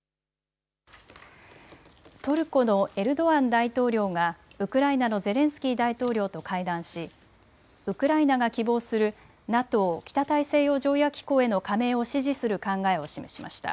トルコのエルドアン大統領がウクライナのゼレンスキー大統領と会談しウクライナが希望するＮＡＴＯ・北大西洋条約機構への加盟を支持する考えを示しました。